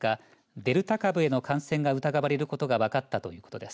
デルタ株への感染が疑われることが分かったということです。